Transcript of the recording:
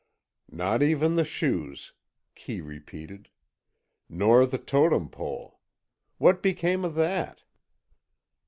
"Not even the shoes," Kee repeated. "Nor the Totem Pole. What became of that?"